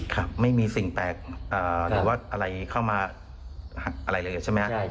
ครับไม่มีสิ่งแตกหรือว่าอะไรเข้ามาอะไรเลยใช่ไหมครับ